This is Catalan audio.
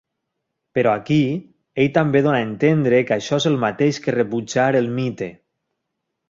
Però aquí ell també dona a entendre que això és el mateix que rebutjar el mite.